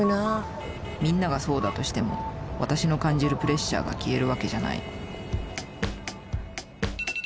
みんながそうだとしても私の感じるプレッシャーが消えるわけじゃない